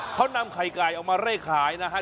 เขานำไข่ไก่เอามาเร่งขายนะฮะ